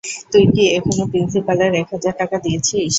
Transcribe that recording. তুই কি এখনো প্রিন্সিপালের এক হাজার টাকা দিয়েছিস?